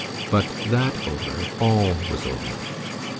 But that over, all was over.